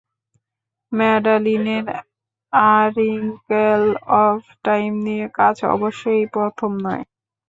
ম্যাডালিনের a wrinkle of time নিয়ে কাজ অবশ্য এই প্রথম নয়।